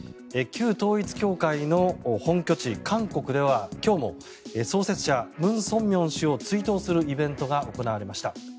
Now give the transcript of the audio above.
旧統一教会の本拠地、韓国では今日も創設者ムン・ソンミョン氏を追悼するイベントが行われました。